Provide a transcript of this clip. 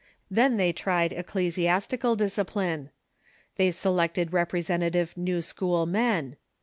Then they tried ecclesi astical discipline. They selected representative New School men.